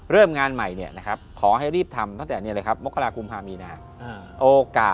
เริ่มงานใหม่ขอให้รีบทำ